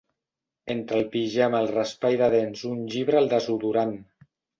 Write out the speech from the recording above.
Entre el pijama el raspall de dents un llibre el desodorant.